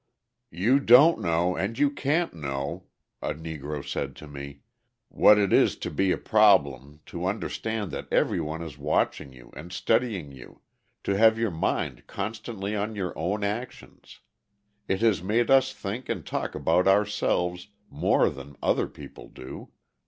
"You don't know, and you can't know," a Negro said to me, "what it is to be a problem, to understand that everyone is watching you and studying you, to have your mind constantly on your own actions. It has made us think and talk about ourselves more than other people do.